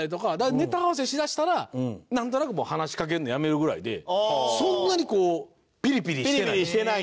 ネタ合わせしだしたらなんとなく話しかけるのをやめるぐらいでそんなにこうピリピリしてない。